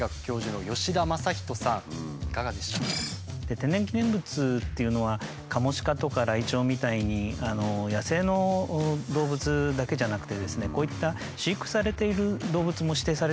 天然記念物っていうのはカモシカとかライチョウみたいに野生の動物だけじゃなくてですねこういった飼育されている動物も指定されてるんですよね。